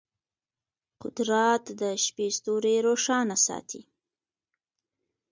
قدرت د شپې ستوري روښانه ساتي.